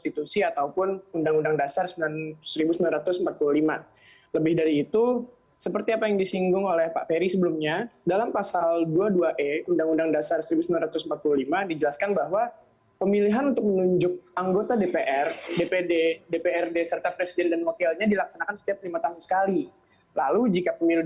jadi seperti tadi yang disinggung oleh pak ferry gitu ya dalam pasal nomor dua puluh dua e undang undang dasar seribu sembilan ratus empat puluh lima itu dijelaskan bahwa pemilihan pemilihan dari anggota dpr dprd dpd dan juga presiden dan wakilnya itu dilakukan selama lima tahun sekali